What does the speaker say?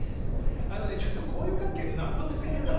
あのねちょっと交友関係謎すぎるな。